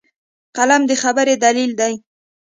قلم د خبرې دلیل دی